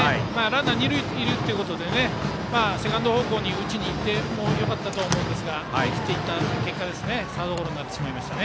ランナーが二塁にいるということでセカンド方向に打ちにいってもよかったと思いますが思い切っていった結果サードゴロになりました。